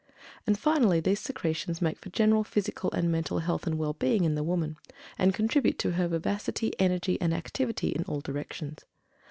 And, finally, these secretions make for general physical and mental health and well being in the woman, and contribute to her vivacity, energy, and activity in all directions.